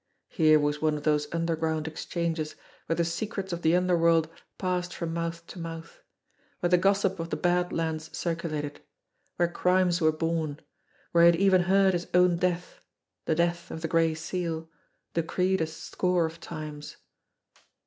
Here was one of those underground exchanges where the secrets of the underworld passed from mouth to mouth; where the gossip of the Bad Lands circulated ; where crimes were born ; where he had even heard his own death, the death of the Gray Seal, decreed a score of times.